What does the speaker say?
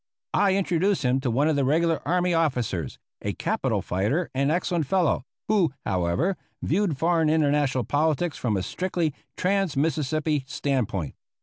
I introduced him to one of the regular army officers, a capital fighter and excellent fellow, who, however, viewed foreign international politics from a strictly trans Mississippi stand point.